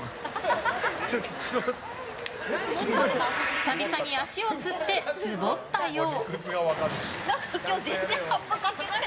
久々に足をつってツボったよう。